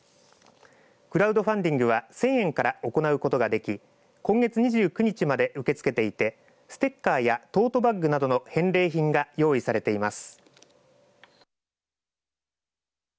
クラウドファンディングは１０００円から行うことができ今月２９日まで受け付けていてステッカーやトートバッグなどの返礼品が用意されています。